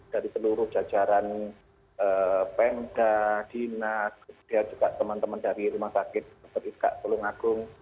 dari seluruh jajaran pemda dina kemudian juga teman teman dari rumah sakit seperti kak selung agung